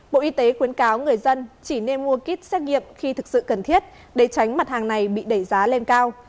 bộ y tế khuyến cáo người dân chỉ nên mua kit xét nghiệm khi thực sự cần thiết để tránh mặt hàng này bị đẩy giá lên cao